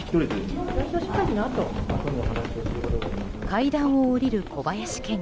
階段を下りる小林県議。